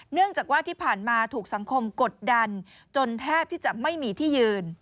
เนื่องจากว่าที่ผ่านมาถูกสังคมกดดันจนแทบที่จะไม่มีที่ยืน